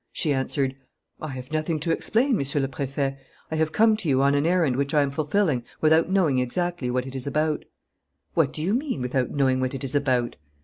She answered: "I have nothing to explain, Monsieur le Préfet. I have come to you on an errand which I am fulfilling without knowing exactly what it is about." "What do you mean? Without knowing what it is about?"